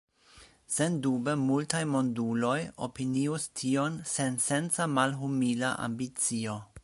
Sendube multaj monduloj opinius tion sensenca, malhumila ambicio.